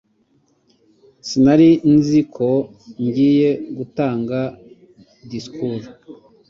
Sinari nzi ko ngiye gutanga disikuru.